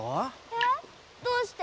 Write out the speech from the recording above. えっどうして？